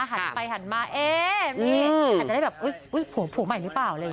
หันไว้หันมาเอ้มีปฏิบัติแบบอุ้ยอุ้ยผัวผัวใหม่หรือเปล่าเลย